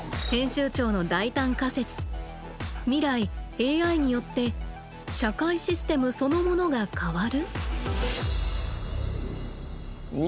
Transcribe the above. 未来ＡＩによって「社会システム」そのものが変わる？